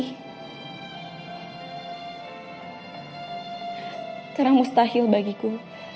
sekarang mustahil bagiku